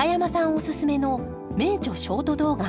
おススメの「名著」ショート動画